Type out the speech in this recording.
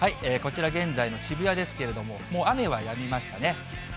こちら、現在の渋谷ですけれども、もう雨はやみましたね。